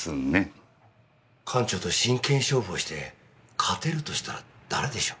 館長と真剣勝負をして勝てるとしたら誰でしょう？